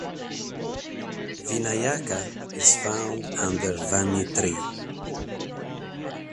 Vinayaka is found under Vanni Tree.